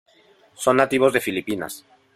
Son nativas de Filipinas.